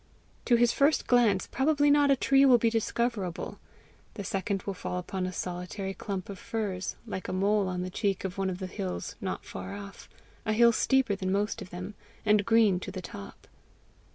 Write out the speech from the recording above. To his first glance probably not a tree will be discoverable; the second will fall upon a solitary clump of firs, like a mole on the cheek of one of the hills not far off, a hill steeper than most of them, and green to the top.